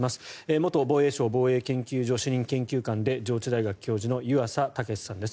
元防衛省防衛研究所主任研究官で上智大学教授の湯浅剛さんです。